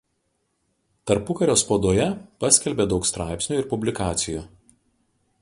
Tarpukario spaudoje paskelbė daug straipsnių ir publikacijų.